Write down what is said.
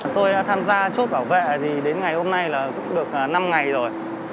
tôi đã tham gia chốt bảo vệ thì đến ngày hôm nay là cũng được năm ngày rồi